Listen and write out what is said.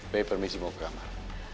bay permisi mau ke kamar